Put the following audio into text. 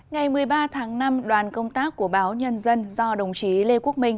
ngày một mươi ba tháng năm đoàn công tác của báo nhân dân do đồng chí lê quốc minh